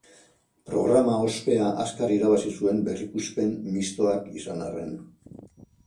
Programa ospea azkar irabazi zuen berrikuspen mistoak izan arren.